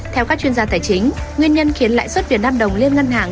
theo các chuyên gia tài chính nguyên nhân khiến lãi suất việt nam đồng liên ngân hàng